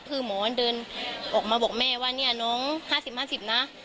คือหมอเดินออกมาบอกแม่ว่าเนี่ยน้อง๕๐๕๐นะ